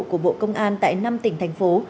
của bộ công an tại năm tỉnh thành phố